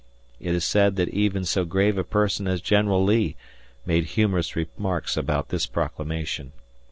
It is said that even so grave a person as General Lee made humorous remarks about this proclamation.